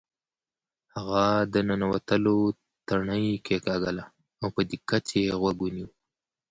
هغه د ننوتلو تڼۍ کیکاږله او په دقت یې غوږ ونیو